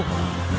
kau tidak bisa